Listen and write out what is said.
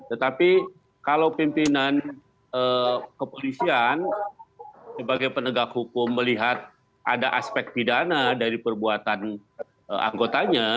tetapi kalau pimpinan kepolisian sebagai penegak hukum melihat ada aspek pidana dari perbuatan anggotanya